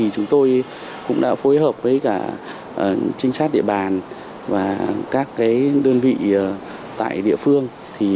chúng tôi cũng đã phối hợp với cả trinh sát địa bàn và các đơn vị tại địa phương